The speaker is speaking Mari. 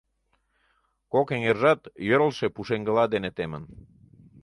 Кок эҥержат йӧрлшӧ пушеҥгыла дене темын.